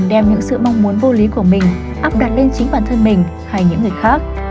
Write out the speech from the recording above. đem những sự mong muốn vô lý của mình áp đặt lên chính bản thân mình hay những người khác